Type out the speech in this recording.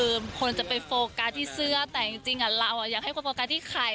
คือคนจะไปโฟกัสที่เสื้อแต่จริงเราอยากให้คนโฟกัสที่ไข่